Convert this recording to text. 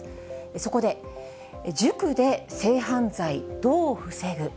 そこで、塾で性犯罪どう防ぐ？